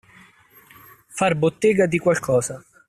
Far bottega di qualcosa.